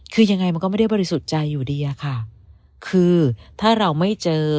คือยังไงมันก็ไม่ได้บริสุทธิ์ใจอยู่ดีอะค่ะคือถ้าเราไม่เจอ